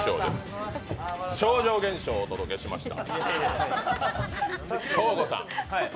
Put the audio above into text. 超常現象をお届けしました。